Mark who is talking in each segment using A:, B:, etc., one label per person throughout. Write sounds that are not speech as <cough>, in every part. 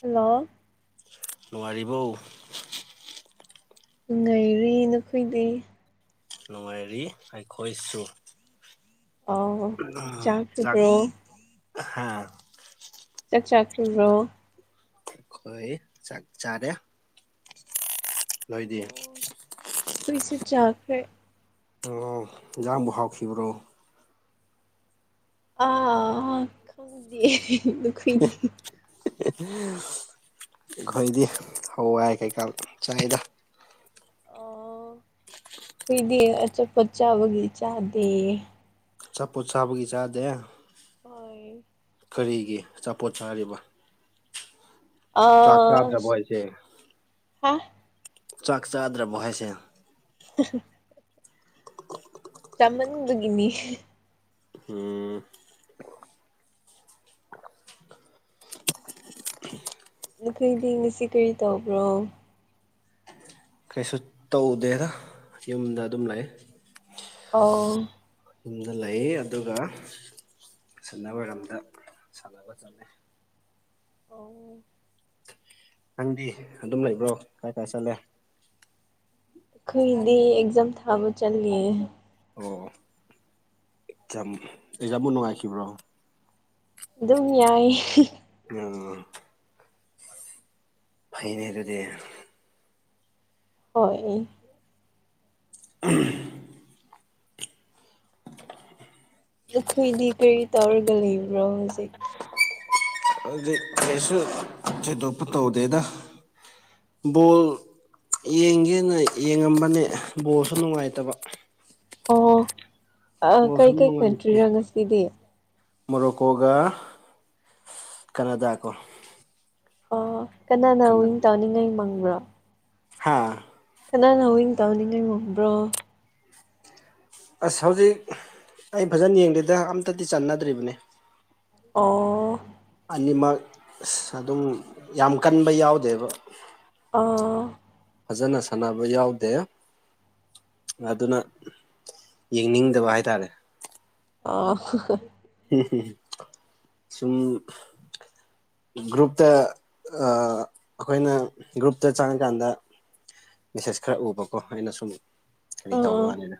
A: hello
B: ꯅꯨꯡꯉꯥꯏꯔꯤꯕꯣ
A: ꯅꯨꯡꯉꯥꯏꯔꯤ ꯅꯈꯣꯏꯗꯤ
B: ꯅꯨꯡꯉꯥꯏꯔꯤ ꯑꯩꯈꯣꯏꯁꯨ
A: ꯑꯧ ꯆꯥꯛ ꯆꯈꯔꯒꯦ
B: ꯍꯥꯥ
A: ꯆꯀ꯭ꯔ꯭ꯔꯣ <inaudible>
B: ꯑꯩꯈꯣꯏ ꯆꯥꯛ ꯆꯥꯔꯦ ꯅꯣꯏꯗꯤ
A: ꯑꯣ ꯑꯩꯈꯣꯏꯁꯨ ꯆꯥꯈ꯭ꯔꯦ
B: ꯑꯣ ꯍꯤꯟꯖꯥꯡꯕꯨ ꯍꯥꯎꯈꯤꯕ꯭ꯔꯣ
A: ꯑꯥ ꯈꯪꯗꯤꯌꯦ ꯅꯈꯣꯏꯗꯤ
B: ꯑꯩꯈꯣꯏꯗꯤ ꯍꯋꯥꯏ ꯀꯩꯀꯥ ꯆꯥꯏꯗ
A: ꯈꯣꯏꯗꯤ ꯑꯆꯥꯄꯣꯠ ꯆꯥꯕꯒꯤ ꯆꯥꯗꯦ
B: ꯑꯆꯥꯄꯣꯠ ꯆꯥꯕꯒꯤ ꯆꯥꯗꯦ
A: ꯍꯣꯏ
B: ꯀꯔꯤꯒꯤ ꯑꯆꯥꯄꯣꯠ ꯆꯥꯔꯤꯕ ꯆꯥꯛ ꯆꯥꯗ꯭ꯔꯕꯣ
A: ꯑꯁ
B: ꯍꯥꯏꯁꯦ
A: ꯍꯥ
B: ꯆꯥꯛ ꯆꯥꯗ꯭ꯔꯕꯣ ꯍꯥꯏꯁꯦ
A: ꯍꯥꯍꯥ ꯆꯥꯃꯟꯕꯒꯤꯅꯤ
B: ꯎꯝ
A: ꯅꯈꯣꯏꯗꯤ ꯉꯁꯤ ꯀꯔꯤ ꯇꯧꯕ꯭ꯔꯣ
B: ꯀꯩꯁꯨ ꯇꯧꯗꯦꯗ ꯌꯨꯝꯗ ꯑꯗꯨꯝ ꯂꯩ
A: ꯑꯣ
B: ꯌꯨꯝꯗ ꯂꯩ ꯑꯗꯨꯒ ꯁꯟꯗ ꯋꯥꯏꯔꯝꯗ ꯁꯥꯟꯅꯕ ꯆꯠꯂꯦ
A: ꯑꯧ
B: ꯅꯪꯗꯤ ꯑꯗꯨꯝ ꯂꯩꯕ꯭ꯔꯣ ꯀꯥꯏ ꯀꯥꯏ ꯆꯠꯂꯦ
A: ꯈꯣꯏꯗꯤ ꯑꯦꯛꯖꯥꯝ ꯊꯥꯕ ꯆꯠꯂꯦ
B: ꯑꯣ ꯑꯦꯛꯖꯥꯝꯕꯨ ꯅꯨꯡꯉꯥꯏꯈꯤꯕ꯭ꯔꯣ
A: ꯑꯗꯨꯝ ꯅꯨꯡꯉꯥꯏꯌꯦ
B: ꯑꯝ ꯐꯩꯅꯦ ꯑꯗꯨꯗꯤ
A: ꯍꯣꯏ
B: <unintelligible>
A: ꯅꯈꯣꯏꯗꯤ ꯀꯔꯤ ꯇꯧꯔꯒ ꯂꯩꯕꯅꯣ ꯍꯧꯖꯤꯛ
B: ꯍꯧꯖꯤꯛ ꯀꯩꯁꯨ ꯊꯣꯢꯗꯣꯛꯄ ꯇꯧꯗꯦꯗ ꯕꯣꯜ ꯌꯦꯡꯒꯦꯅ ꯌꯦꯡꯉꯝꯕꯅꯦ ꯕꯣꯜꯁꯨ ꯅꯨꯡꯉꯥꯏꯇꯕ
A: ꯑꯣ ꯀꯩꯀꯩ ꯀꯟꯇ꯭ꯔꯤꯔꯥ ꯉꯁꯤꯗꯤ
B: ꯃꯣꯔꯣꯛꯀꯣꯒ ꯀꯅꯥꯗꯥꯒ
A: ꯑ ꯀꯅꯥꯅ ꯋꯤꯟ ꯇꯧꯅꯤꯡꯉꯥꯏ ꯃꯪꯕ꯭ꯔꯣ <unintelligible>
B: ꯍꯥꯥ
A: ꯀꯅꯥꯅ <unintelligible> ꯇꯧꯅꯤꯡꯉꯥꯏ ꯉꯝꯕ꯭ꯔꯣ
B: ꯑꯁ ꯍꯧꯖꯤꯛ ꯑꯩ ꯐꯖꯅ ꯌꯦꯡꯗꯦꯗ ꯑꯝꯇꯗꯤ ꯆꯅꯗ꯭ꯔꯤꯕꯅꯤ
A: ꯑꯣ
B: ꯑꯅꯤꯃꯛ ꯑꯁ ꯑꯗꯨꯝ ꯌꯥꯝ ꯀꯟꯕ ꯌꯥꯎꯗꯦꯕ
A: ꯑ
B: ꯐꯖꯅ ꯁꯥꯟꯅꯕ ꯌꯥꯎꯗꯦ ꯑꯗꯨꯅ ꯌꯦꯡꯅꯤꯡꯗꯕ ꯍꯥꯏꯇꯥꯔꯦ
A: ꯑ
B: ꯁꯨꯝ ꯒ꯭ꯔꯨꯞꯇ ꯑꯥ ꯑꯩꯈꯣꯏꯅ ꯒ꯭ꯔꯨꯞꯇ ꯆꯪꯉꯀꯥꯟꯗ ꯃꯦꯁꯦꯁ ꯈꯔ ꯎꯕꯀꯣ ꯑꯩꯅ ꯁꯨꯝ ꯀꯔꯤ
A: ꯑꯥ
B: ꯇꯧꯋꯥꯅꯤꯅꯦ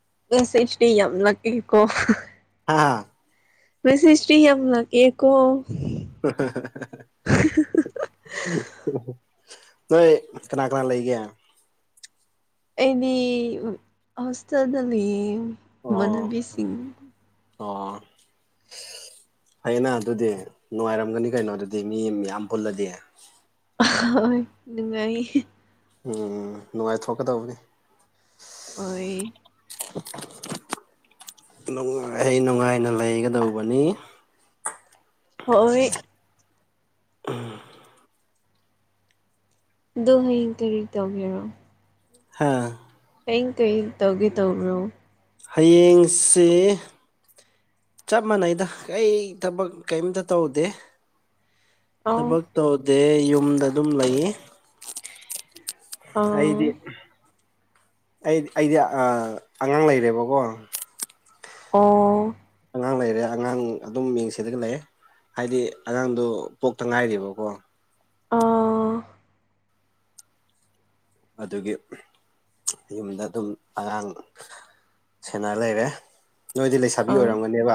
A: <unintelligible>
B: ꯍꯥꯥ
A: <unintelligible> ꯌꯥꯝ ꯂꯥꯛꯑꯦꯀꯣ
B: <unintelligible> ꯅꯣꯏ ꯀꯅꯥ ꯀꯅꯥ ꯂꯩꯒꯦ
A: ꯑꯩꯗꯤ ꯍꯣꯁꯇꯦꯜꯗ ꯂꯩꯌꯦ
B: ꯑꯣ
A: ꯃꯥꯟꯅꯕꯤ ꯁꯤꯡ
B: ꯑꯣ ꯐꯩꯅ ꯑꯗꯨꯗꯤ ꯅꯨꯡꯉꯥꯏꯔꯝꯒꯅꯤ ꯀꯩꯅꯣ ꯑꯗꯨꯗꯤ ꯃꯤ ꯃꯌꯥꯝ ꯄꯨꯜꯂꯗꯤ
A: ꯍꯣꯏ ꯅꯨꯡꯉꯥꯏꯌꯦ
B: ꯎꯝ ꯅꯨꯡꯉꯥꯏꯊꯣꯛꯀꯗꯧꯕꯅꯤ
A: ꯍꯣꯏ
B: ꯅꯨꯡꯉꯥꯏ ꯅꯨꯡꯉꯥꯏꯅ ꯂꯩꯒꯗꯧꯕꯅꯤ
A: ꯍꯣꯏ <unintelligible>
B: ꯍꯥꯥ
A: <unintelligible> ꯀꯩ ꯇꯧꯒꯦ ꯇꯧꯕ꯭ꯔꯣ
B: ꯍꯥꯌꯦꯡꯁꯤ ꯆꯞ ꯃꯥꯟꯅꯩꯗ ꯀꯩ ꯊꯕꯛ ꯀꯩꯝꯇ ꯇꯧꯗꯦ
A: ꯑꯥꯎ
B: ꯊꯕꯛ ꯇꯧꯗꯦ ꯌꯨꯝꯗ ꯑꯗꯨꯝ ꯂꯩꯌꯦ
A: ꯑꯥ
B: ꯑꯩꯗꯤ ꯑꯩ ꯑꯩꯗꯤ ꯑꯥ ꯑꯉꯥꯡ ꯂꯩꯔꯦꯕꯀꯣ
A: ꯑꯣ
B: ꯑꯉꯥꯡ ꯂꯩꯔꯦ ꯑꯉꯥꯡ ꯑꯗꯨꯝ ꯌꯦꯡꯁꯤꯂꯒ ꯂꯩꯌꯦ ꯍꯥꯏꯗꯤ ꯑꯉꯥꯡꯗꯣ ꯄꯣꯛꯇ ꯉꯥꯏꯔꯤꯕꯀꯣ
A: ꯑꯥ
B: ꯑꯗꯨꯒꯤ ꯌꯨꯝꯗ ꯑꯗꯨꯝ ꯑꯉꯥꯡ ꯁꯦꯟꯅ ꯂꯩꯔꯦ ꯅꯣꯏꯗꯤ ꯂꯩꯁꯥꯕꯤ
A: ꯑ
B: ꯑꯣꯏꯔꯝꯒꯅꯦꯕ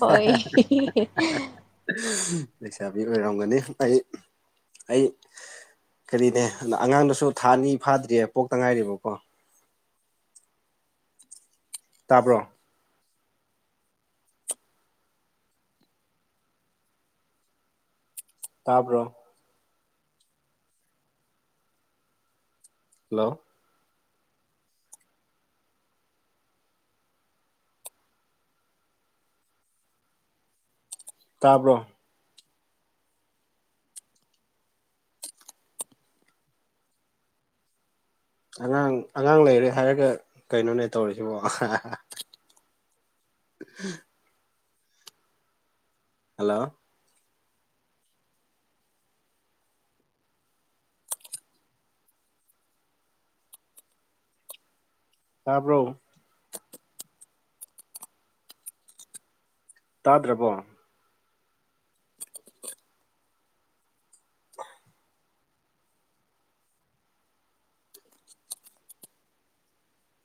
A: ꯍꯣꯏ
B: ꯂꯩꯁꯥꯕꯤ ꯑꯣꯏꯔꯝꯒꯅꯤ ꯑꯩ ꯑꯩ ꯀꯔꯤꯅꯦ ꯑꯅ ꯑꯉꯥꯡꯗꯨꯁꯨ ꯊꯥ ꯑꯅꯤ ꯐꯥꯗ꯭ꯔꯤꯌꯦ ꯄꯣꯛꯇ ꯉꯥꯏꯔꯦꯕꯀꯣ ꯇꯥꯕ꯭ꯔꯣ ꯇꯥꯕ꯭ꯔꯣ ꯍꯜꯂꯣ ꯇꯥꯕ꯭ꯔꯣ ꯑꯉꯥꯡ ꯑꯉꯥꯡ ꯂꯩꯔꯦ ꯍꯥꯏꯔꯒ ꯀꯩꯅꯣꯅꯦ ꯇꯧꯔꯤꯁꯤꯕꯣ <unintelligible> ꯍꯜꯂꯣ ꯇꯥꯕ꯭ꯔꯣ ꯇꯥꯗ꯭ꯔꯕꯣ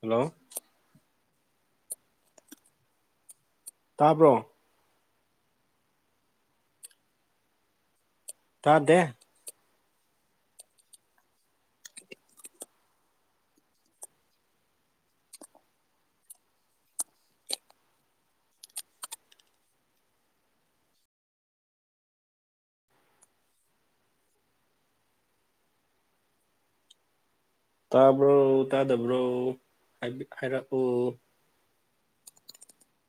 B: ꯍꯜꯂꯣ ꯇꯥꯕ꯭ꯔꯣ ꯇꯥꯗꯦ ꯇꯥꯕ꯭ꯔꯣ ꯇꯥꯗꯕ꯭ꯔꯣ ꯍꯥꯏꯕꯤ ꯍꯥꯏꯔꯛꯑꯣ
A: <inaudible>